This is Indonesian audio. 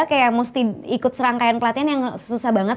kayak mesti ikut serangkaian pelatihan yang susah banget